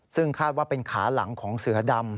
ซึ่งคาดว่าเป็นขาหลังของเสือดำ